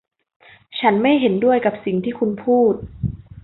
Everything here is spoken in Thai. ฉันไม่เห็นด้วยกับสิ่งที่คุณพูด